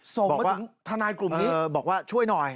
ส่งมาถึงทันายกลุ่มนี้มีช่างแบบว่าช่วยหน่อย